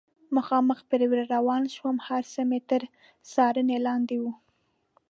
مخامخ پرې ور روان شوم، هر څه مې تر څارنې لاندې و.